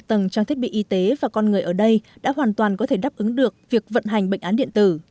các tầng trang thiết bị y tế và con người ở đây đã hoàn toàn có thể đáp ứng được việc vận hành bệnh án điện tử